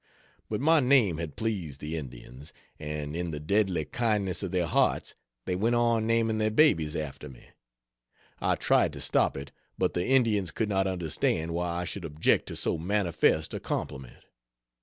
But my name had pleased the Indians, and in the deadly kindness of their hearts they went on naming their babies after me. I tried to stop it, but the Indians could not understand why I should object to so manifest a compliment.